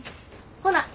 ほな。